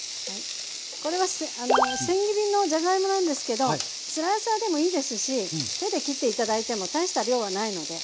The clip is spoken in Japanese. これはせん切りのじゃがいもなんですけどスライサーでもいいですし手で切って頂いても大した量はないので。